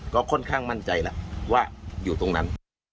ก็ค่อนข้างมั่นใจแล้วว่าอยู่ตรงนั้น